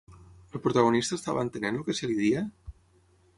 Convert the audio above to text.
El protagonista estava entenent el que se li deia?